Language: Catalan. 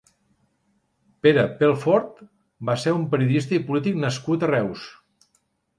Pere Pelfort va ser un periodista i polític nascut a Reus.